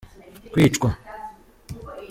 kwicwa.